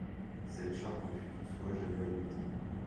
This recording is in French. Cette charte ne fut toutefois jamais adoptée.